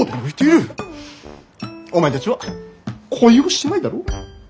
お前たちは恋をしてないだろう？